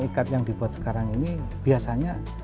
ikat yang dibuat sekarang ini biasanya